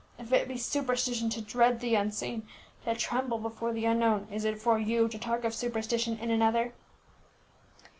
_ if it be superstition to dread the unseen, to tremble before the unknown, is it for you to talk of superstition in another?"